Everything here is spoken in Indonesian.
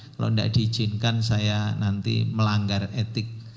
kalau tidak diizinkan saya nanti melanggar etik